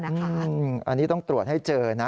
อันนี้ต้องตรวจให้เจอนะ